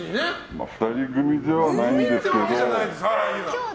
まあ２人組ではないんですけど。